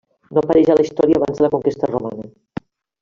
No apareix a la història abans de la conquesta romana.